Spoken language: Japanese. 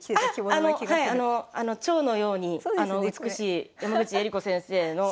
チョウのように美しい山口恵梨子先生の。